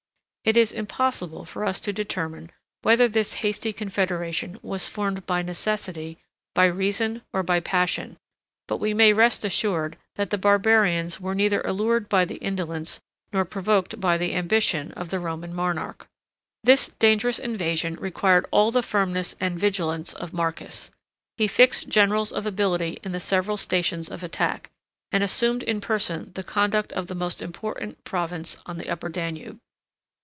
82 It is impossible for us to determine whether this hasty confederation was formed by necessity, by reason, or by passion; but we may rest assured, that the barbarians were neither allured by the indolence, nor provoked by the ambition, of the Roman monarch. This dangerous invasion required all the firmness and vigilance of Marcus. He fixed generals of ability in the several stations of attack, and assumed in person the conduct of the most important province on the Upper Danube.